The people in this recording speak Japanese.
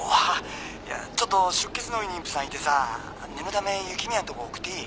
「ちょっと出血の多い妊婦さんいてさ念のため雪宮んとこ送っていい？」